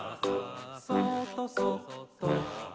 「そーっとそっと」